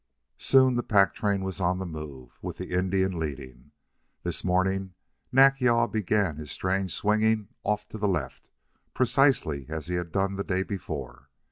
Soon the pack train was on the move, with the Indian leading. This morning Nack yal began his strange swinging off to the left, precisely as he had done the day before.